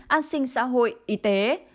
an sinh xã hội y tế